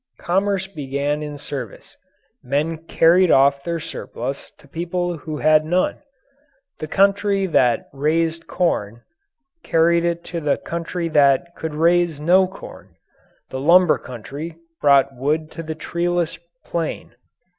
Commerce began in service. Men carried off their surplus to people who had none. The country that raised corn carried it to the country that could raise no corn. The lumber country brought wood to the treeless plain.